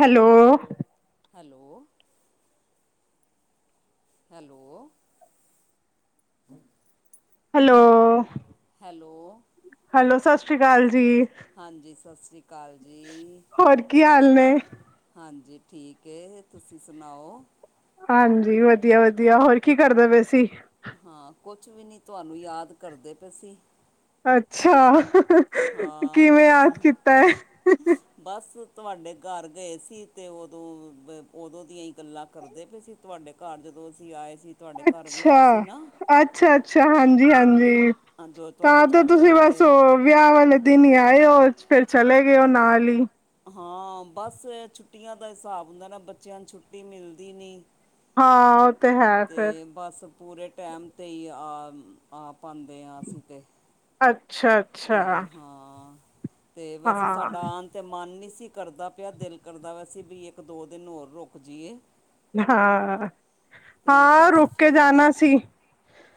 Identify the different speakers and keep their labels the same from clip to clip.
Speaker 1: Hello.
Speaker 2: Hello hello,
Speaker 1: hello,
Speaker 2: hello,
Speaker 1: hello ਸਤਿ ਸੀ ਅਕਾਲ ਜੀ
Speaker 2: ਹਾਂਜੀ ਸਤਿ ਸ਼੍ਰੀ ਅਕਾਲ ਜੀ
Speaker 1: ਹੋਰ ਕੀ
Speaker 2: ਹੋ
Speaker 1: ਹਾਲ ਨੇ
Speaker 2: ਹਾਂਜੀ, ਠੀਕ ਐ, ਤੁਸੀਂ ਸੁਣਾਓ?
Speaker 1: ਹਾਂਜੀ ਵਧੀਆ ਵਧੀਆ, ਹੋਰ ਕੀ ਕਰਦਾ ਪਏ ਸੀ?
Speaker 2: ਹਾਂ ਕੁਛ ਵੀ ਨੀ ਤੁਹਾਨੂੰ ਯਾਦ ਕਰਦੇ ਪਏ ਸੀ।
Speaker 1: ਅੱਛਾ,
Speaker 2: ਹਾਂ
Speaker 1: ਕਿਵੇਂ ਯਾਦ ਕੀਤਾ ਹੈ?
Speaker 2: ਬਸ ਤੁਹਾਡੇ ਘਰ ਗਏ ਸੀ ਤੇ ਉਦੋਂ-ਉਦੋਂ ਦੀਆਂ ਹੀ ਗੱਲਾਂ ਕਰਦੇ ਪਏ ਸੀ ਤੁਹਾਡੇ ਘਰ ਜਦੋਂ ਅਸੀਂ ਆਏ ਸੀ। ਤੁਹਾਡੇ ਘਰ
Speaker 1: ਅੱਛਾ
Speaker 2: ਵਿਆਹ ਸੀ ਨਾ
Speaker 1: ਅੱਛਾ ਅੱਛਾ, ਹਾਂਜੀ। ਜੀ ਹਾਂਜੀ
Speaker 2: ਅ, ਜੋ ਤੁਹਾਡੇ
Speaker 1: ਤਾਂ ਤੇ
Speaker 2: ਚਾਚਾ
Speaker 1: ਤੁਸੀਂ
Speaker 2: ਜੀ
Speaker 1: ਬਸ
Speaker 2: ਦੇ
Speaker 1: ਵਿਆਹ ਵਾਲੇ ਦਿਨ ਆਏ ਹੋ ਫੇਰ ਚਲੇ ਗਏ ਹੋ ਨਾਲ ਹੀ
Speaker 2: ਹਾਂ ਬਸ ਛੁੱਟੀਆਂ ਦਾ ਹਿਸਾਬ ਹੁੰਦਾ ਨਾ ਬੱਚਿਆਂ ਨੂੰ ਛੁੱਟੀ ਮਿਲਦੀ ਨੀ।
Speaker 1: ਹਾਂ, ਤੇ ਹੈ ਫਿਰ
Speaker 2: ਤੇ ਬਸ, ਪੂਰੇ ਟਾਈਮ 'ਤੇ ਹੀ ਆ ਆ ਪਾਉਦੇ ਹਾਂ ਅਸੀਂ ਤੇ
Speaker 1: ਅੱਛਾ ਅੱਛਾ,
Speaker 2: ਅਤੇ ਵੈਸੇ
Speaker 1: ਹਾਂ
Speaker 2: ਸਾਡਾ ਆਨ ਤਾਂ ਮਨ ਨਹੀਂ ਸੀ। ਅ ਕਰਦਾ ਪਿਆ ਦਿਲ ਕਰਦਾ ਵੈਸੇ ਵੀ ਇੱਕ ਦੋ ਦਿਨ ਹੋਰ ਰੁਕ ਜਾਈਏ।
Speaker 1: ਹਾਂ
Speaker 2: ਅਤੇ
Speaker 1: ਹਾਂ,
Speaker 2: ਬਸ
Speaker 1: ਰੁਕ ਕੇ
Speaker 2: ਫਿਰ
Speaker 1: ਜਾਣਾ ਸੀ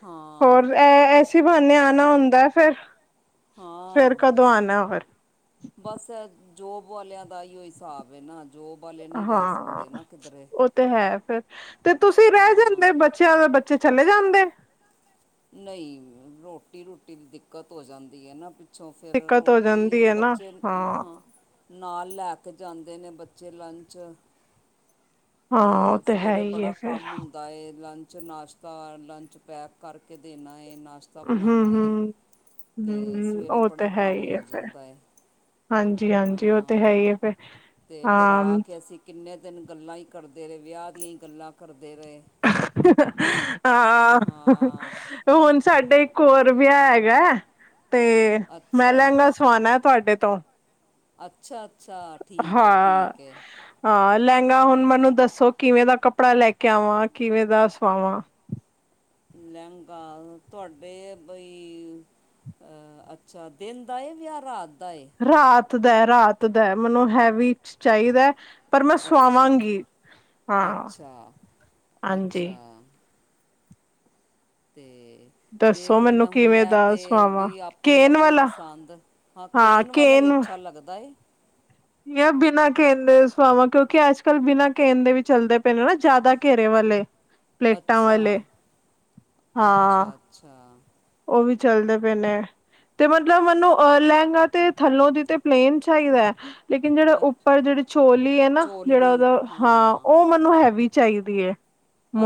Speaker 2: ਹਾਂ
Speaker 1: ਹੋਰ ਐ ਐਸੀ ਬਾਨੇ ਐ ਹੁੰਦਾ ਫਿਰ, ਫੇਰ
Speaker 2: ਹਾਂ
Speaker 1: ਕਦੋਂ ਆਣਾ ਹੋਰ?
Speaker 2: ਬਸ ਜੋਬ ਵਾਲਿਆਂ ਦਾ ਹੀ ਉਹ ਹਿਸਾਬ ਹੈ ਨਾ, ਜੋਬ ਵਾਲੇ ਨਹੀਂ ਰਹਿ
Speaker 1: ਹਾਂ
Speaker 2: ਸਕਦੇ ਨਾ ਕਿਧਰੇ
Speaker 1: ਉਹ ਤੇ ਹੈ ਫੇਰ ਤੇ ਤੁਸੀਂ ਰਹਿ
Speaker 2: ਹਾਂ
Speaker 1: ਜਾਂਦੇ ਬੱਚਿਆਂ ਦੇ ਬੱਚੇ ਚਲੇ ਜਾਂਦੇ,
Speaker 2: ਨਹੀਂ ਰੋਟੀ ਰੂਟੀ ਦੀ ਦਿੱਕਤ ਹੋ ਜਾਂਦੀ ਹੈ ਨਾ ਅੱਛੋਂ ਫਿਰ
Speaker 1: ਦਿੱਕਤ ਹੋ
Speaker 2: ਰੋਟੀ
Speaker 1: ਜਾਂਦੀ ਹੈ ਨਾ
Speaker 2: ਬੱਚੇ ਹਾਂ। ਨਾਲ ਲੈ ਕੇ ਜਾਂਦੇ ਨੇ ਬੱਚੇ ਲੰਚ
Speaker 1: ਹਾਂ ਉਹ
Speaker 2: ਤੇ
Speaker 1: ਹੈ
Speaker 2: ਸਵੇਰੇ
Speaker 1: ਹੀ
Speaker 2: ਬੜਾ
Speaker 1: ਹੈ ਫਿਰ
Speaker 2: ਕੰਮ ਹੁੰਦਾ ਲੰਚ ਨਾਸ਼ਤਾ ਲੰਚ ਪੈਕ ਕਰਕੇ ਦੇਣਾ। ਹੈ ਨਾਸ਼ਤਾ
Speaker 1: ਹੂੰ
Speaker 2: ਬਣਾਉਣਾ ਹੈ
Speaker 1: ਹੂੰ
Speaker 2: ਅਤੇ
Speaker 1: ਹੂੰ,
Speaker 2: ਸਵੇਰੇ
Speaker 1: ਉਹ ਤਾਂ
Speaker 2: ਬੜਾ
Speaker 1: ਹੈ ਹੀ
Speaker 2: ਕੰਮ
Speaker 1: ਆ
Speaker 2: ਹੋ
Speaker 1: ਫੇਰ
Speaker 2: ਜਾਂਦਾ ਹੈ
Speaker 1: ਹਾਂਜੀ, ਜੀ ਹਾਂਜੀ ਉਹ ਤੇ ਹੈ
Speaker 2: ਹਾਂ
Speaker 1: ਹੀ ਹੈ ਫਿਰ
Speaker 2: ਅਤੇ ਫਿਰ
Speaker 1: ਹਮ
Speaker 2: ਆ ਕੇ ਅਸੀਂ ਕਿੰਨੇ ਦਿਨ ਗੱਲਾਂ ਹੀ ਕਰਦੇ ਰਹੇ ਵਿਆਹ ਦੀਆਂ ਹੀ ਗੱਲਾਂ ਕਰਦੇ ਰਹੇ
Speaker 1: ਹ-ਹ ਹਾਂ
Speaker 2: ਹਾਂ
Speaker 1: ਹੁਣ ਸਾਡ ਇੱਕ ਹੋਰ ਵਿਆਹ ਹੈਗੈ ਤੇ ਮੈਂ
Speaker 2: ਅੱਛਾ
Speaker 1: ਲਹਿੰਗਾ ਸਵਾਣੈ ਤੁਹਾਡੇ ਤੋਂ
Speaker 2: ਅੱਛਾ ਅੱਛਾ ਠੀਕ ਹੈ
Speaker 1: ਹਾਂ
Speaker 2: ਠੀਕ ਹੈ
Speaker 1: ਹਾਂ ਲਹਿੰਗਾ ਹੁਣ ਮੈਨੂੰ ਦੱਸੋ ਕਿਵੇਂ ਦਾ ਕੱਪੜਾ ਲੈ ਕੇ ਆਵਾਂ ਕਿਵੇਂ ਦਾ ਸਵਾਵਾਂ
Speaker 2: ਲਹਿੰਗਾ ਤੁਹਾਡੇ ਬਈ ਅਹ ਅੱਛਾ ਦਿਨ ਦਾ ਵਿਆਹ ਰਾਤ ਦਾ ਏ
Speaker 1: ਰਾਤ ਦਾ ਰਾਤ ਦੈ ਮੈਨੂੰ ਹੈਵੀ ਚ ਚਾਹੀਦੈ ਪਰ ਮੈਂ
Speaker 2: ਅੱਛਾ
Speaker 1: ਸੁਆਵਾਂਗੀ ਹਾਂ
Speaker 2: ਅੱਛਾ
Speaker 1: ਹਾਂਜੀ
Speaker 2: ਅੱਛਾ ਤੇ [inaudible]
Speaker 1: ਦੱਸੋ
Speaker 2: ਦੇਖ
Speaker 1: ਮੈਨੂੰ
Speaker 2: ਲੈਣਾ ਹੁਣ
Speaker 1: ਕਿਵੇਂ
Speaker 2: ਐ
Speaker 1: ਦਾ
Speaker 2: ਤੇ
Speaker 1: ਸੁਆਵਾਂ
Speaker 2: ਬਈ ਆਪਣੀ-
Speaker 1: ਕੇਨ
Speaker 2: ਆਪਣੀ
Speaker 1: ਵਾਲਾ
Speaker 2: ਪਸੰਦ ਹਾਂ ਕੇਨ ਵਾਲਾ ਹੀ ਅੱਛਾ ਲੱਗਦਾ ਏ
Speaker 1: ਬਿਨਾਂ ਕੇਨ ਦੇ ਸਵਾਵਾਂ ਕਿਉਂਕਿ ਅੱਜ ਕੱਲ੍ਹ ਬਿਨਾਂ ਕੇਨ ਦੇ ਵੀ ਚੱਲਦੇ ਪਏ ਨੇ ਨਾ ਜ਼ਿਆਦਾ ਘੇਰੇ ਵਾਲੇ ਪਲੇਟਾਂ
Speaker 2: ਅੱਛਾ
Speaker 1: ਵਾਲੇ ਹਾਂ
Speaker 2: -ਅੱਛਾ- ਅੱਛਾ
Speaker 1: ਉਹ ਵੀ ਚੱਲਦੇ ਪਏ ਨੇ ਤੇ ਮਤਲਬ ਮੈਨੂੰ ਅ ਲਹਿੰਗਾ ਤੇ ਥੱਲੋਂ ਦੀ ਤੇ ਪਲੇਨ ਚਾਹੀਦੈ ਲੇਕਿਨ ਜਿਹੜਾ
Speaker 2: ਅੱਛ
Speaker 1: ਉੱਪਰ ਜਿਹੜੀ ਛੋਲੀ ਹੈ ਨਾ ਜਿਹੜਾ ਉਹਦਾ ਹਾਂ ਉਹ ਮੈਨੂੰ ਹੈਵੀ ਚਾਹੀਦੀ ਹੈ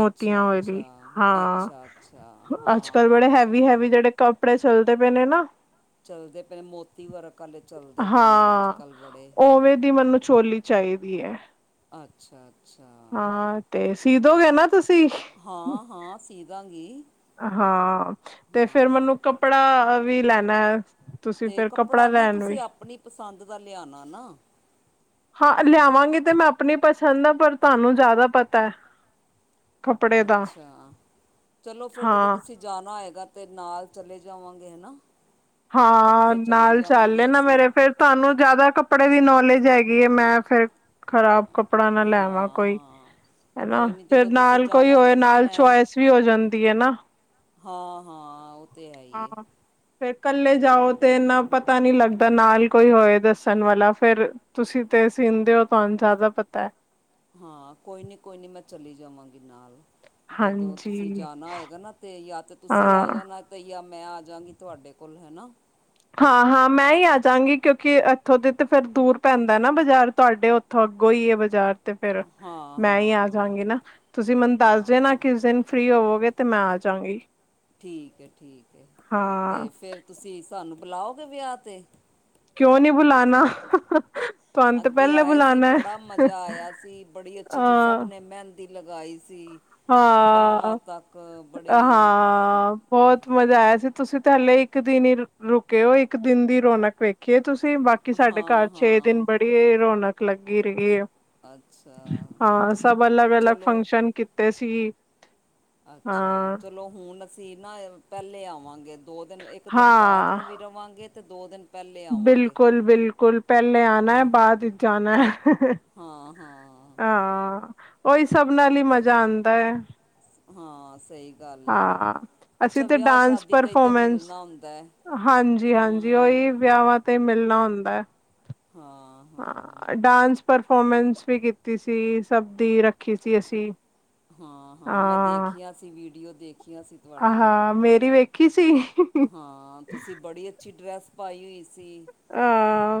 Speaker 2: ਅੱਛਾ
Speaker 1: ਵਾਲੀ
Speaker 2: -ਅੱਛਾ-
Speaker 1: ਹਾਂ
Speaker 2: ਅੱਛਾ -ਅੱਛਾ
Speaker 1: ਅੱਜ ਕੱਲ
Speaker 2: ਹਾਂ
Speaker 1: ਬੜੇ ਹੈਵੀ ਹੈਵੀ ਜਿਹੜੇ ਕੱਪੜੇ ਚੱਲਦੇ ਪਏ ਨੇ ਨਾ
Speaker 2: ਚੱਲਦੇ ਪਏ ਨੇ ਮੋਤੀ ਵਰਕ ਆਲੇ ਚੱਲਦੇ ਪਏ ਨੇ ਅੱਜ
Speaker 1: ਹਾਂ
Speaker 2: ਕੱਲ੍ਹ ਬੜੇ
Speaker 1: ਉਵੇਂ ਦੀ ਮੈਨੂੰ ਚੋਲੀ ਚਾਹੀਦੀ ਹੈ
Speaker 2: ਅੱਛਾ ਅੱਛਾ
Speaker 1: ਹਾਂ ਤੇ ਸੀ ਦੋਗੇ
Speaker 2: ਹਾਂ
Speaker 1: ਨਾ ਤੁਸੀਂ
Speaker 2: ਹਾਂ ਹਾਂ ਸੀ ਦਾਂਗੀ
Speaker 1: ਹਾਂ ਤੇ ਫਿਰ
Speaker 2: ਹਾਂ
Speaker 1: ਮੈਨੂੰ ਕੱਪੜਾ
Speaker 2: ਤੇ
Speaker 1: ਵੀ ਲੈਣਾ ਹੈ ਤੁਸੀਂ
Speaker 2: ਤੇ
Speaker 1: ਫਿਰ ਕੱਪੜਾ
Speaker 2: ਨਾ
Speaker 1: ਲੈਣ ਵੀ
Speaker 2: ਤੁਸੀਂ ਆਪਣੀ ਪਸੰਦ ਦਾ ਲਿਆਣਾ ਨਾ
Speaker 1: ਹਾਂ ਲਿਆਵਾਂਗੀ ਤੇ ਮੈਂ ਆਪਣੀ ਪਸੰਦ ਦਾ ਪਰ ਤੁਹਾਨੂੰ ਜ਼ਿਆਦਾ ਪਤਾ ਹੈ ਕੱਪੜੇ ਦਾ
Speaker 2: ਅੱਛਾ ਚਲੋ ਫਿਰ ਜਦੋਂ
Speaker 1: ਹਾਂ
Speaker 2: ਤੁਸੀਂ ਜਾਣਾ ਹੈਏਗਾ ਤੇ ਨਾਲ ਚਲੇ ਜਾਵਾਂਗੇ ਹਨਾ
Speaker 1: ਹਾਂ
Speaker 2: ਇਕੱਠੇ ਚਲੇ
Speaker 1: ਨਾਲ ਚੱਲ
Speaker 2: ਜਾਵਾਂਗੇ
Speaker 1: ਲੇਨਾ
Speaker 2: ਅਸੀਂ
Speaker 1: ਮੇਰੇ ਫੇਰ ਤੁਹਾਨੂੰ ਜਿਆਦਾ ਕੱਪੜੇ ਦੀ ਨੌਲੇਜ ਹੈਗੀ ਮੈਂ ਫੇਰ ਖਰਾਬ ਕਪ ਕੱਪੜਾ ਨਾ ਲੈਵਾਂ
Speaker 2: ਹਾਂ
Speaker 1: ਕੋਈ
Speaker 2: ਹਾਂ
Speaker 1: ਹਨਾ
Speaker 2: ਕੋਈ ਨਹੀਂ
Speaker 1: ਫੇਰ
Speaker 2: ਜਦੋਂ ਤੁਸੀਂ
Speaker 1: ਨਾਲ ਕੋਈ
Speaker 2: ਜਾਣਾ ਹੈਗਾ
Speaker 1: ਹੋਏ
Speaker 2: ਨਾ
Speaker 1: ਨਾਲ
Speaker 2: ਮੈਂ
Speaker 1: ਚਆਇਸ ਵੀ ਹੋ ਜਾਂਦੀ ਹੈ ਨਾ
Speaker 2: ਹਾਂ ਹਾਂ ਤੇ ਆਈਏ
Speaker 1: ਫੇਰ ਕੱਲੇ ਜਾਓ ਤੇ ਇੰਨਾ ਪਤਾ ਨਹੀਂ ਲੱਗਦਾ ਨਾਲ ਕੋਈ ਹੋਏ ਦੱਸਣ ਵਾਲਾ ਫੇਰ ਤੁਸੀਂ ਤੇ ਸੀਨਦੇ ਹੋ ਤੁਹਾਨੂੰ ਜ਼ਿਆਦਾ ਪਤਾ
Speaker 2: ਹਾਂ ਕੋਈ ਨੀ ਕੋਈ ਨੀ ਮੈਂ ਚਲੀ ਜਾਵਾਂਗੀ ਨਾਲ ਜਦੋਂ ਤੁਸੀਂ
Speaker 1: ਹਾਂਜੀ
Speaker 2: ਜਾਣਾ ਹੋਏਗਾ ਨਾ ਤੇ ਯਾ ਤੇ ਤੁਸੀਂ ਆ
Speaker 1: ਹਾਂ।
Speaker 2: ਜਾਣਾ ਤੇ ਯਾ ਮੈਂ ਆਜਗੀ ਤੁਹਾਡੇ ਕੋਲ ਹੈਨਾ
Speaker 1: ਹਾਂ ਹਾਂ ਮੈਂ ਹੀ ਆਜਾਂਗੀ ਕਿਉਂਕਿ ਇੱਥੋਂ ਦੇ ਤੇ ਫਿਰ ਦੂਰ ਪੈਂਦਾ ਨਾ ਬਾਜ਼ਾਰ ਤੁਹਾਡੇ ਉੱਥੋਂ ਅੱਗੋਂ ਹੀ ਹੈ ਬਾਜ਼ਾਰ ਤੇ ਫਿਰ
Speaker 2: ਹਾਂ
Speaker 1: ਮੈਂ ਹੀ
Speaker 2: ਹਾਂ
Speaker 1: ਆ
Speaker 2: ਹਾਂ
Speaker 1: ਜਾਵਾਂਗੀ ਨਾ ਤੁਸੀਂ ਮੈਨੂੰ ਦੱਸ ਦੇਨਾ
Speaker 2: ਹਾਂ
Speaker 1: ਕਿਸ ਦਿਨ ਫਰੀ ਹੋਵੋਗੇ ਤੇ ਮੈਂ ਆ ਜਾਾਂਗੀ
Speaker 2: ਠੀਕ ਹੈ ਠੀਕ ਹੈ ਤੇ ਫੇਰ ਤੁਸੀਂ ਸਾਨੂੰ ਬੁਲਾਓਗੇ ਵਿਆਹ ਤੇ
Speaker 1: ਕਿਉਂ ਨਹੀਂ ਬੁਲਾਨਾ
Speaker 2: ਅੱਗੇ ਆਏ ਸੀ ਬੜਾ ਮਜ਼ਾ ਆਇਆ ਸੀ ਬੜੀ ਅੱਛੀ ਚੀਜ਼ ਸਭ ਨੇ ਮਹਿੰਦੀ ਦੀ ਲਗਾਈ ਸੀ ਬਾਹਾਂ
Speaker 1: ਹਾਂ-ਹਾਂ
Speaker 2: ਤੱਕ ਬੜੇ
Speaker 1: ਬਹੁਤ ਮਜ਼ਾ ਆਇਆ ਸੀ ਤੁਸੀਂ ਤੇ ਹਲੇ ਇੱਕ ਦਿਨ ਹੀ ਰੁਕੇ ਓ ਇੱਕ ਦਿਨ ਦੀ ਰੌਣਕ ਵੇਖੀਏ ਤੁਸੀਂ ਬਾਕੀ ਸਾਡੇ
Speaker 2: ਹਾਂ
Speaker 1: ਘਰ ਛੇ
Speaker 2: ਹਾਂ
Speaker 1: ਦਿਨ ਬੜੀ ਰੌਣਕ ਲੱਗੀ ਰਹੀ‌ ਏ
Speaker 2: ਅੱਛਾ
Speaker 1: ਹਾਂ ਸਭ ਅਲਗ ਅਲਗ
Speaker 2: ਚਲੋ
Speaker 1: ਫੰਕਸ਼ਨ ਕੀਤੇ ਸੀ
Speaker 2: ਅੱਛਾ
Speaker 1: ਹਾਂ
Speaker 2: ਚਲੋ ਹੁਣ ਅਸੀਂ ਨਾ ਪਹਿਲੇ ਆਵਾਂਗੇ ਦੋ ਦਿਨ ਇੱਕ ਦਿਨ ਬਾਅਦ
Speaker 1: ਹਾਂ।
Speaker 2: ਨੂੰ ਵੀ ਰਵਾਂਗੇ ਤੇ ਦੋ ਦਿਨ ਪਹਿਲੇ ਆਵਾਂਗੇ
Speaker 1: ਬਿਲਕੁਲ ਬਿਲਕੁਲ ਪਹਿਲੇ
Speaker 2: ਅ
Speaker 1: ਆਣਾ ਹੈ ਬਾਅਦ ਵਿਚ ਜਾਣਾ ਹੈ
Speaker 2: ਹਾਂ ਹਾਂ
Speaker 1: ਆਾਂ ਓਹੀ ਸਭ ਨਾਲ ਹੀ
Speaker 2: ਤੇ
Speaker 1: ਮਜ਼ਾ ਆਉਂਦਾ ਏ
Speaker 2: ਹਾਂ ਸਹੀ ਗੱਲ ਏ
Speaker 1: ਹਾਂ ਅਸੀਂ
Speaker 2: ਅੱਛਾ
Speaker 1: ਤੇ
Speaker 2: ਵਿਆਹ
Speaker 1: ਡਾਂਸ
Speaker 2: ਸ਼ਾਦੀ ਤੇ ਤੇ
Speaker 1: ਪਰਫੋਮੈਂਸ
Speaker 2: ਮਿਲਣਾ ਹੁੰਦਾ ਹੈ
Speaker 1: ਹਾਂਜੀ-ਹਾਂਜੀ
Speaker 2: ਹਮ
Speaker 1: ਉਓਹੀ ਵਿਆਹਾਂ ਤੇ ਮਿਲ ਨਾ ਹੁੰਦਾ ਹਾਂ ਡਾਂਸ ਪਰਫੋਰਮੈਂਸ ਵੀ ਕੀਤੀ ਸੀ ਸਭ ਦੀ ਰੱਖੀ ਸੀ ਅਸੀਂ
Speaker 2: ਹਾਂ ਹਾਂ ਮੈਂ ਦੇਖੀਆਂ ਸੀ ਵੀਡੀਓ ਦੇਖੀਆਂ ਸੀ ਤੁਹਾਡੀਆਂ
Speaker 1: ਆਹ ਮੇਰੀ ਵੇਖੀ ਸੀ
Speaker 2: ਹਾਂ ਤੁਸੀਂ ਬੜੀ ਅੱਛੀ ਡਰੈੱਸ ਪਾਈ ਹੋਈ ਸੀ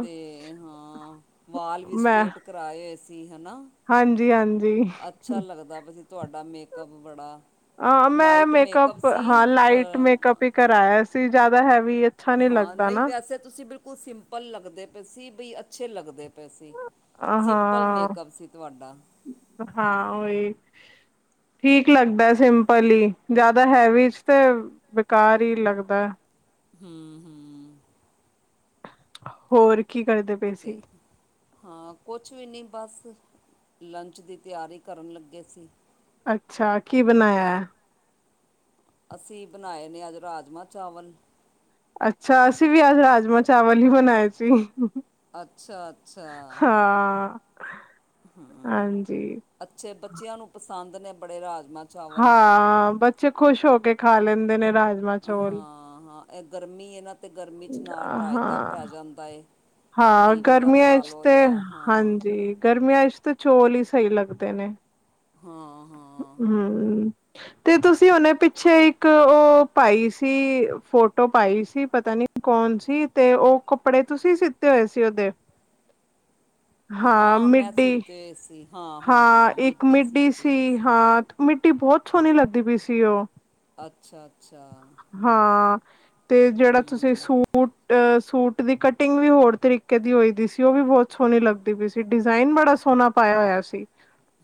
Speaker 2: ਤੇ ਹਾਂ ਵਾਲ ਵੀ
Speaker 1: ਮੈਂ
Speaker 2: ਸਟੇਟ ਕਰਵਾਏ। ਹੀ ਹਨਾ,
Speaker 1: ਹਾਂਜੀ, ਹਾਂਜੀ,
Speaker 2: ਅੱਛਾ ਲੱਗਦਾ ਬਈ। ਤੁਹਾਡਾ ਮੇਕਅੱਪ ਬੜਾ
Speaker 1: ਹਾਂ ਮੈਂ
Speaker 2: ਲਾਈਟ
Speaker 1: ਮੇਕਅਪ
Speaker 2: ਸੀ
Speaker 1: ਹਾਂ ਲਾਈਟ ਮੇਕਅਪ ਹੀ ਕਰਾਇਆ ਸੀ ਜਾ ਜਿਆਦਾ ਹੈ ਵੀ ਅੱਛਾ ਨੀ ਲੱਗਦਾ ਨਾ।
Speaker 2: ਕੁਲ ਸਿੰਪਲ ਲੱਗਦੇ ਪਏ ਸੀਂ ਵੀਈ ਅੱਛੇ ਲੱਗਦੇ ਪ
Speaker 1: ਆਹ ਹਾਂ
Speaker 2: ਸੀ ਤੁਹਾਡਾ
Speaker 1: ਹਾਂ, ਔਹੀ। ਠੀਕ ਲੱਗਦਾ ਸਿੰਪਲ ਹੀ ਜ਼ਿਆਦਾ ਹੈਵੀ ਚ ਤੇ ਬੇਕਾਰ ਹੀ ਲੱਗਦਾ।
Speaker 2: ਹੂੰ, ਹੂੰ।
Speaker 1: ਹੋਰ ਕੀ ਕਰਦੇ ਪਏ
Speaker 2: ਤੇ
Speaker 1: ਸੀ
Speaker 2: ਹਾਂ ਕੁਛ ਵੀ ਨੀ ਬਸ ਲੰਚ ਦੀ ਤਿਆਰੀ ਕਰਨ ਲੱਗੇ ਸੀ।
Speaker 1: ਅੱਛਾ ਕੀ ਬਣਾਇਆ ਹੈ?
Speaker 2: ਅਸੀਂ ਬਣਾਏ ਨੇ ਅੱਜ ਰਾਜਮਾਂ ਚਾਵਲ
Speaker 1: ਅੱਛਾ ਅਸੀਂ ਵੀ ਅੱਜ ਰਾਜਮਾਂ ਚਾਵਲ ਹੀ ਬਣਾਏ ਸੀ।
Speaker 2: ਅੱਛਾ -ਅੱਛਾ,
Speaker 1: ਹਾਂ
Speaker 2: ਹੂੰ
Speaker 1: ਹਾਂਜੀ
Speaker 2: ਅੱਛੇ ਬੱਚਿਆਂ ਨੂੰ ਪਸੰਦ ਨੇ। ਬੜੇ ਰਾਜ
Speaker 1: ਹਾਂ ਬੱਚੇ ਖੁਸ਼ ਹੋ ਕੇ ਖਾ ਲੈਂਦੇ ਨੇ। ਰਾਜਮਾਂ
Speaker 2: ਹਾਂ
Speaker 1: ਚੋਲ
Speaker 2: ਹਾਂ ਇਹ ਗਰਮੀ ਇਹ ਨਾ ਤੇ ਗਰਮੀ 'ਚ ਨਾਲ ਰਾਇਤਾ
Speaker 1: ਹਾਂ,
Speaker 2: ਪੈ ਜਾਂਦਾ ਏ।
Speaker 1: ਹਾਂ,
Speaker 2: ਖੀਰੇ ਦਾ
Speaker 1: ਗਰਮੀਆਂ
Speaker 2: ਪਾ
Speaker 1: ਚ
Speaker 2: ਲਓ
Speaker 1: ਤੇ
Speaker 2: ਜਾਂ ਹਾਂ
Speaker 1: ਹਾਂਜੀ ਗਰਮੀਆਂ ਚ ਤੇ ਚੌਲ ਹੀ ਸਹੀ ਲੱਗਦੇ ਨੇ।
Speaker 2: ਹਾਂ, ਹਾਂ।
Speaker 1: ਹੂੰ, ਤੇ ਤੁਸੀਂ ਉਹਨੇ ਪਿੱਛੇ ਇੱਕ ਉਹ ਪਾਈ ਸੀ ਫੋਟੋ ਪਾਈ ਸੀ, ਪਤਾ ਨੀ ਕੌਣ ਸੀ ਤੇ ਉਹ ਕੱਪੜੇ ਤੁਸੀਂ ਸਿੱਤੇ ਹੋਏ ਸੀ ਉਹਦੇ।
Speaker 2: ਹਾਂ ਮੈਂ ਸੀਤੇ ਸੀ।
Speaker 1: ਹਾਂ ਇੱਕ ਮਿੱਡੀ ਸੀ ਹਾਂ। ਮਿੱਡੀ ਬਹੁਤ ਸੋਹਣੀ ਲੱਗਦੀ ਪਈ ਸੀ ਉਹ।
Speaker 2: ਅੱਛਾ, ਅੱਛਾ
Speaker 1: ਹਾਂ, ਤੇ ਜਿਹੜਾ ਤੁਸੀਂ
Speaker 2: ਹੂੰ
Speaker 1: ਸੂਟ ਸੂਟ ਦੀ ਕਟਿੰਗ ਵੀ ਹੋਰ ਤਰੀਕੇ ਦੀ ਹੋਈ ਦੀ ਸੀ ਉਹ ਵੀ ਬਹੁਤ ਸੋਹਣੀ ਲੱਗਦੀ ਪਈ ਸੀ ਡਿਜ਼ਾਇਨ ਬੜਾ ਸੋਹਣਾ ਪਾਇਆ ਹੋਇਆ ਸੀ।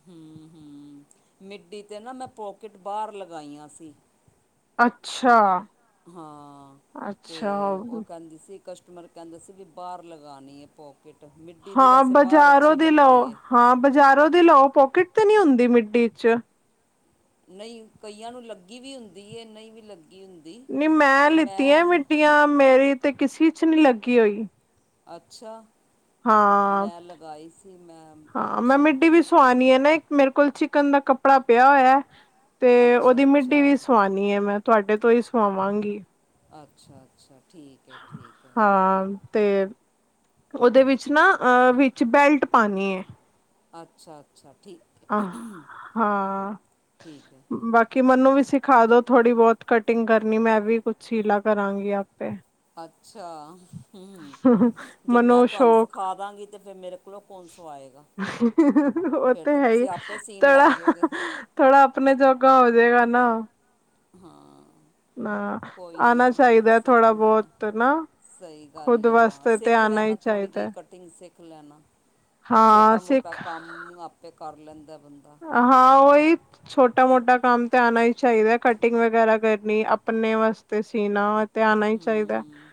Speaker 2: ਹੂੰ, ਹੂੰ ਮਿੱਡੀ ਤੇ ਨਾ ਮੈਂ ਪੋਕਿਟ ਬਾਹਰ ਲਗਾਈਆਂ ਸੀ।
Speaker 1: ਅੱਛਾ!
Speaker 2: ਹਾਂ, ਤੇ
Speaker 1: ਅੱਛਾ
Speaker 2: ਉਹ ਕਹਿੰਦੀ ਸੀ ਕਸਟਮਰ ਕਹਿੰਦੇ ਸੀ ਵੀ ਬਾਹਰ ਲਗਾਉਣੀ ਹੈ ਪੋਕਿਟ ਮਿੱਡੀ ਦੀ
Speaker 1: ਹਾਂ,
Speaker 2: ਵੈਸੇ ਬਾਹਰ
Speaker 1: ਬਾਜ਼ਾਰੋਂ
Speaker 2: ਅੱਛੀ
Speaker 1: ਦੀ ਲਓ
Speaker 2: ਲੱਗਦੀ ਹੈ।
Speaker 1: ਹਾਂ ਬਾਜ਼ਾਰੋਂ ਦੀ ਲਓ ਪੋਕਿਟ ਤੇ ਨਹੀਂ ਹੁੰਦੀ ਮਿੱਡੀ ਚ
Speaker 2: ਨਹੀਂ ਕਈਆਂ ਨੂੰ ਲੱਗੀ ਵੀ ਹੁੰਦੀ ਹੈ, ਨਹੀਂ ਵੀ ਲੱਗੀ ਹੁੰਦੀ
Speaker 1: ਨੀ ਮੈਂ ਲਿੱਤੀਆਂ ਮਿੱਡੀਆਂ ਮੇਰੀ ਤੇ ਕਿਸੇ ਚ ਨਹੀਂ ਲੱਗੀ ਹੋਈ
Speaker 2: ਅੱਛਾ
Speaker 1: ਹਾਂ-
Speaker 2: ਮੈਂ ਲਗਾਈ ਸੀ ਮੈਂ
Speaker 1: ਹਾਂ, ਮੈਂ
Speaker 2: ਅੱਛੀ
Speaker 1: ਮਿੱਟੀ ਵੀ ਸਵਾਣੀ ਹੈ ਨਾ ਇੱਕ ਮੇਰੇ ਕੋਲ ਚ ਕਨ ਦਾ ਕੱਪੜਾ ਪਿਆ ਹੋਇਆ, ਤੇ ਉਹਦੀ
Speaker 2: ਅੱਛਾ
Speaker 1: ਮਿੱਡੀ ਵੀ
Speaker 2: ਅੱਛਾ
Speaker 1: ਸਵਾਣੀ ਹੈ ਮੈਂ ਤੁਹਾਡੇ ਤੋਂ ਹੀ ਸੁਵਾਵਾਂਗੀ
Speaker 2: ਅੱਛਾ -ਅੱਛਾ। ਠੀਕ ਹੈ -ਠੀਕ ਹੈ।
Speaker 1: ਹਾਂ ਤੇ, ਉਹਦੇ ਵਿੱਚ ਵਿਚ ਨਾ,
Speaker 2: ਤੇ
Speaker 1: ਵਿੱਚ ਬੈਲਟ ਪਾਉਣੀ ਹੈ
Speaker 2: ਅੱਛਾ -ਅੱਛਾ। ਠੀਕ
Speaker 1: ਹਾਂ,
Speaker 2: ਠੀਕ ਹੈ
Speaker 1: ਬਾਕੀ ਮੈਨੂੰ ਵੀ ਸਿਖਾ
Speaker 2: ਤੇ
Speaker 1: ਦੋ ਥੋੜ੍ਹੀ ਬਹੁਤ ਘਟੀ ਕਟਿੰਗ ਕਰਨੀ ਮੈਂ ਵੀ ਕੁਛ ਸੀਲਾ ਕਰਾਂਗੀ ਆਪ
Speaker 2: ਅੱਛਾ, ਹਮ! ਜੇ ਮੈਂ
Speaker 1: ਮੈਨੂੰ
Speaker 2: ਤੁਹਾਨੂੰ
Speaker 1: ਸ਼ੌਕ
Speaker 2: ਸਿਖਾ ਦਾਂਗੀ ਅਤੇ ਫਿਰ ਮੇਰੇ ਕੋਲੋਂ ਕੌਣ ਸਵਾਏਗਾ
Speaker 1: ਉਹ
Speaker 2: ਫਿਰ
Speaker 1: ਤੇ
Speaker 2: ਤਾਂ
Speaker 1: ਹੈ ਹੀ।
Speaker 2: ਤੁਸੀਂ ਆਪੇ ਸੀਨ ਲੱਗ
Speaker 1: ਥੋੜਾ-
Speaker 2: ਜਾਓਗੇ
Speaker 1: ਥੋੜਾ ਆਪਣੇ ਜੋਗਾ ਜੇਗਾ ਨਾ
Speaker 2: ਹਾਂ
Speaker 1: ਨਾ
Speaker 2: ਕੋਈ ਨਹੀਂ
Speaker 1: ਆਣਾ
Speaker 2: ਹਾਂ
Speaker 1: ਚਾਹੀਦਾ
Speaker 2: ਸਿੱਖ
Speaker 1: ਥੋੜ੍ਹਾ
Speaker 2: ਲੈਣਾ
Speaker 1: ਬਹੁਤ ਨਾ।
Speaker 2: ਸਹੀ ਗੱਲ
Speaker 1: ਖੁਦ
Speaker 2: ਏ ਹਾਂ
Speaker 1: ਵਾਸਤੇ ਤੇ
Speaker 2: ਸਿੱਖ
Speaker 1: ਆਣਾ
Speaker 2: ਲੈਣਾ
Speaker 1: ਹੀ
Speaker 2: ਥੋੜ੍ਹੀ ਜਿਹੀ
Speaker 1: ਚਾਹੀਦਾ।
Speaker 2: ਕਟਿੰਗ ਸਿੱਖ ਲੈਣਾ
Speaker 1: ਹਾਂ
Speaker 2: ਛੋਟਾ- ਮੋਟਾ
Speaker 1: ਸਿੱਖ
Speaker 2: ਕੰਮ ਆਪੇ ਕਰ ਲੈਂਦਾ ਬੰਦਾ
Speaker 1: ਹਾਂ, ਉਹੀ ਛੋਟਾ -ਮੋਟਾ ਕੰਮ ਤੇ ਆਉਣਾ ਹੀ ਚਾਹੀਦਾ ਹੈ। ਕਟਿੰਗ ਵਗੈਰਾ ਕਰਨੀ ਆਪਣੇ ਵਾਸਤੇ ਸੀਣਾ ਤੇ ਆਉਣਾ ਹੀ ਚਾਹੀਦਾ।
Speaker 2: ਹੂੰ।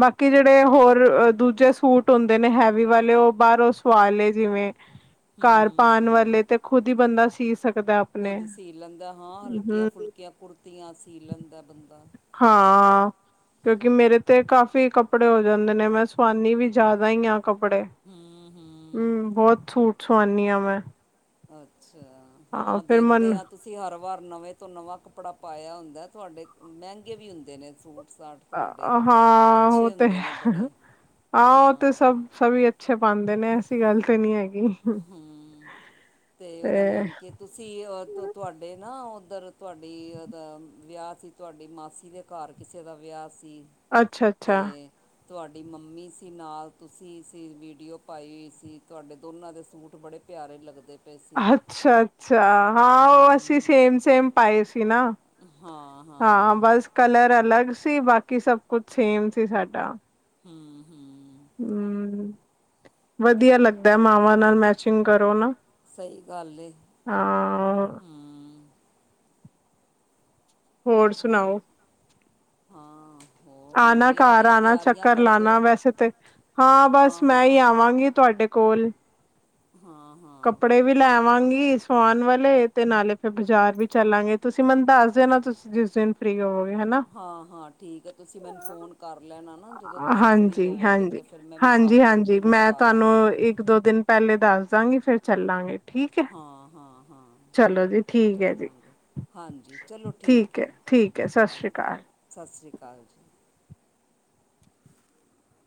Speaker 1: ਬਾਕੀ ਕਿ ਜਿਹੜੇ ਹੋਰ ਦੂਜੇ ਸੂਟ ਹੁੰਦੇ ਨੇ ਹੈਵੀ ਵਾਲੇ ਉਹ ਬਾਹਰੋਂ ਸਵਾ ਲਏ ਜਿਵੇਂ ਘਰ
Speaker 2: ਹੂੰ
Speaker 1: ਪਾਉਣ
Speaker 2: ਹੂੰ
Speaker 1: ਵਾਲੇ ਤੇ ਕਿ ਬੰਦਾ ਸੀ ਸਕੇ
Speaker 2: ਖੁਦ ਸੀ ਲੈਂਦਾ ਹਾਂ ਹਲਕੀਆਂ
Speaker 1: ਹਮ
Speaker 2: ਫੁਲਕੀਆਂ ਕੁੜਤੀਆਂ ਸੀ ਲੈਂਦਾ ਬੰਦਾ ਛੋਟੇ
Speaker 1: ਹਾਂ
Speaker 2: ਛੋਟੇ
Speaker 1: ਕਿਉਂਕਿ ਮੇਰੇ ਤੇ ਕਾਫੀ ਕੱਪੜੇ ਹੋ ਜਾਂਦੇ ਨੇ ਮੈਂ ਸਵਾਨੀ ਵੀ ਜ਼ਿਆਦਾ ਹੀ ਆ ਕੱਪੜੇ
Speaker 2: ਹੂੰ ਹੂੰ।
Speaker 1: ਹਮ ਬਹੁਤ ਸੂਟ ਸੁਵਾਨੀ ਹਾਂ ਮੈਂ
Speaker 2: ਅ ਅੱਛਾ ਹਾਂ
Speaker 1: ਫਿਰ ਮਨ
Speaker 2: ਦੇਖਦੇ ਹਾਂ ਤੁਸੀਂ ਹਰ ਵਾਰ ਨਵੇਂ ਤੋਂ ਨਵਾਂ ਕੱਪੜਾ ਪਾਇਆ ਹੁੰਦਾ ਤੁਹਾਡੇ ਮਹਿੰਗੇ ਵੀ ਹੁੰਦੇ ਨੇ ਸੂਟ ਸਾਟ ਤੁਹਾਡੇ।
Speaker 1: ਹਾਂ ਉਹ
Speaker 2: ਅੱਛੇ
Speaker 1: ਤੇ
Speaker 2: ਹੁੰਦੇ ਨੇ
Speaker 1: ਹਾਂ
Speaker 2: ਬੜੇ
Speaker 1: ਉਹ ਤੇ ਹ-ਹ-ਹ
Speaker 2: ਹਾਂ
Speaker 1: ਸਭ ਸਭੀ ਅੱਛੇ ਪਾਂਦੇ ਕ ਨੇ ਐਸੀ ਗੱਲ ਤਾਂ ਨਹੀਂੀ ਹੈਗੀ
Speaker 2: ਹਮ ਤੇ ਉਹਦਾ ਨਾਮ ਕੀ ਤੁਸੀਂ ਤੁਹਾਡੇ ਨਾ ਉੱਧਰ ਤੁਹਾਡੀ ਵਿਆਹ ਸੀ ਤੁਹਾਡੀ ਮਾਸੀ ਦੇ ਘਰ ਕਿਸੇ ਦਾ ਵਿਆਹ ਸੀ
Speaker 1: ਅੱਛਾ -ਅੱਛਾ
Speaker 2: ਤੇ ਤੁਹਾਡੀ ਮੰਮੀ ਸੀ ਨਾਲ ਤੁਸੀਂ ਸੀ ਵੀਡੀਓ ਪਾਈ ਹੋ ਸੀ ਤੁਹਾਡੇ ਦੋਨਾਂ ਦੇ ਸੂਟ ਬੜੇ ਪਿਆਰੇ ਲੱਗਦੇ ਪਏ ਸੀ
Speaker 1: ਅੱਛਾ -ਅੱਛਾ ਹਾਂ ਉਹ ਅਸੀਂ
Speaker 2: ਹੂੰ
Speaker 1: ਸੇਮ ਸੇਮ ਪਾਏ ਨਾ ਹਾਂ ਬਸ ਕਲਰ ਅਲੱਗ ਸੀ ਬਾਕੀ ਸਭ ਕੁਛ ਸੇਮ ਸੀ ਸਾਡਾ
Speaker 2: ਹਮ -ਹਮ
Speaker 1: ਹਮ ਵਧ ਵਧੀਆ ਲੱਗਦਾ
Speaker 2: ਤੇ
Speaker 1: ਮਾਵਾਂ ਨਾਲ ਮੈਚਿੰਗ ਕਰੋ ਨਾ
Speaker 2: ਸਹੀ ਗੱਲ ਏ
Speaker 1: ਹਾਂ
Speaker 2: ਹੂੰ
Speaker 1: ਹੋਰ
Speaker 2: ਚਲੋ
Speaker 1: ਸੁਣਾਓ
Speaker 2: ਹਾਂ ਹੋਰ ਹੁਣ
Speaker 1: ਆਣਾ
Speaker 2: ਵਿਆਹ
Speaker 1: ਘਰ
Speaker 2: ਦੀਆਂ
Speaker 1: ਆਣਾ
Speaker 2: ਤਿਆਰੀਆਂ
Speaker 1: ਚੱਕਰ
Speaker 2: ਕਰਦੇ
Speaker 1: ਲਾਉਣਾ
Speaker 2: ਹੋ
Speaker 1: ਵੈਸੇ ਤੇ ਹਾਂ ਬਸ ਮੈਂ ਹੀ ਆਵਾਂਗੀ ਤੁਹਾਡੇ ਕੋਲ
Speaker 2: ਹਾਂ ਹਾਂ
Speaker 1: ਕੱਪੜੇ ਵੀ ਲੈਵਾਂਗੀ ਸਉਣ ਵਾਲੇ ਤੇ ਨਾਲੇ ਫਿਰ ਬਾਜ਼ਾਰ ਵੀ ਚੱਲਾਂਗੇ ਤੁਸੀਂ ਮੈਨੂੰ ਦੱਸ ਦਿ ਨਾ ਤੁਸੀਂ ਜਿਸ ਦਿਨ ਫ੍ਰਰੀ ਹੋਵੋਗੇ ਹਨਾ
Speaker 2: ਹਾਂ -ਹਾਂ ਠੀਕ ਹੈ ਤੁਸੀਂ ਮੈਨੂੰ ਫੋਨ ਕਰ ਲੈ
Speaker 1: ਹਾਂਜੀ -ਹਾਂਜੀ-
Speaker 2: ਮੈਂ ਵੀ
Speaker 1: ਹਾਂਜੀ-
Speaker 2: ਕੰਮ
Speaker 1: ਹਾਂਜੀ
Speaker 2: ਜਲਦੀ
Speaker 1: ਮੈਂ
Speaker 2: ਨਿਪਟਾ
Speaker 1: ਤੁਹਾਨੂੰ
Speaker 2: ਲਾਂਗੀ
Speaker 1: ਇੱਕ ਦੋ ਦਿਨ ਪਹਿਲੇ ਦੱਸ ਫੇਰ ਚੱਲਾਂਗੇ ਠੀਕ ਹੈ
Speaker 2: ਹਾਂ -ਹਾਂ- ਹਾਂ
Speaker 1: ਚਲੋ ਜੀ ਠੀਕ ਹੈ ਜੀ
Speaker 2: ਚੱਲਾਂਗੇ ਹਾਂਜੀ ਚਲੋ ਠੀਕ ਹੈ
Speaker 1: ਠੀਕ ਹੈ ਸਤਿ ਸ਼੍ਰੀ
Speaker 2: ਹਾਂਜੀ
Speaker 1: ਅਕਾਲ
Speaker 2: ਸਤਿ ਸ਼੍ਰੀ ਅਕਾਲ ਜੀ